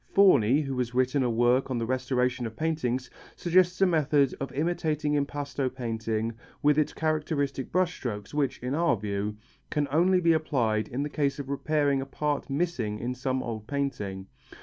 Forni, who has written a work on the restoration of paintings, suggests a method of imitating impasto painting with its characteristic brush strokes which, in our view, can only be applied in the case of repairing a part missing in some old painting.